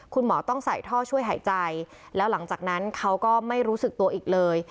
คุณหมอต้องใส่ท่อช่วยหายใจแล้วหลังจากนั้นเขาก็ไม่รู้สึกตัวอีกเลย